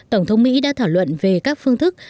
tổng thống mỹ đã thảo luận về các phương thức